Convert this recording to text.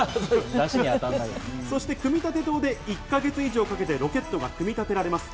そして組立棟で１か月以上かけてロケットが組み立てられます。